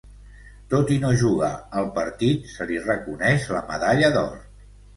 Tot i no jugar el partit se li reconeix la medalla d'or.